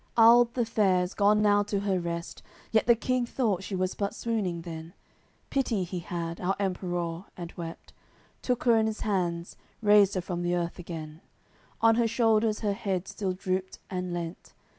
CCLXIX Alde the fair is gone now to her rest. Yet the King thought she was but swooning then, Pity he had, our Emperour, and wept, Took her in's hands, raised her from th'earth again; On her shoulders her head still drooped and leant.